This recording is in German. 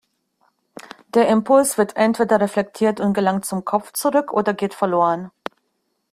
Der Impuls wird entweder reflektiert und gelangt zum Kopf zurück oder geht verloren.